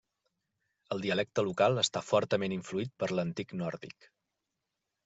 El dialecte local està fortament influït per l'antic nòrdic.